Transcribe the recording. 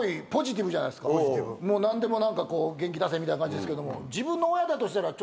何でも何かこう「元気出せ」みたいな感じですけども。